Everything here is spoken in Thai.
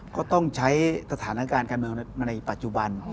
ก็ต้องใช้ตรฐานงานการแก่เมืองในปัจจุบัน